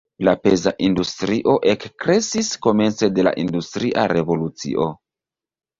La peza industrio ekkreskis komence de la industria revolucio.